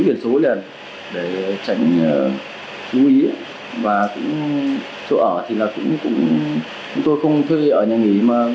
mấy ch zg để tránh lũ ý và cũng số ở thì là cũng chúng tôi không cần thuê ở nhà nghỉ mà thuê cho